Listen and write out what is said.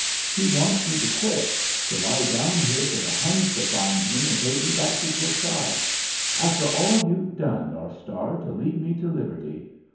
He wants me to quit to lie down here for the Huns to find me and take me back to Courtrai after all you've done, North Star, to lead me to liberty.